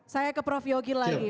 saya ke prof yogi lagi